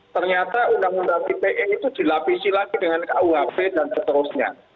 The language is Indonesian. ternyata undang undang ite itu dilapisi lagi dengan kuhp dan seterusnya